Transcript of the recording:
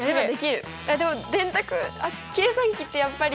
でも電卓計算機ってやっぱり心強いよね。